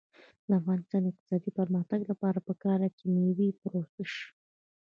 د افغانستان د اقتصادي پرمختګ لپاره پکار ده چې مېوې پروسس شي.